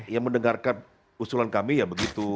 ya mendengarkan usulan kami ya begitu